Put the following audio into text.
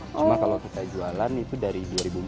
cuma kalau kita jualan itu dari dua ribu empat belas